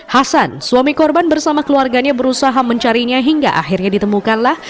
hasan suami korban bersama keluarganya berusaha mencarinya hingga akhirnya ditemukanlah